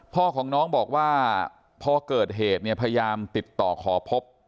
พ่อของน้องบอกว่าพอเกิดเหตุเนี่ยพยายามติดต่อขอพบ